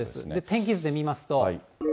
天気図で見ますと。